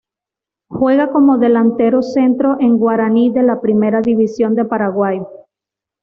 Juega como delantero centro en Guaraní de la Primera División de Paraguay.